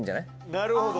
なるほど。